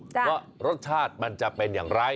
ว่ารสชาติมันจะเป็นอย่างไร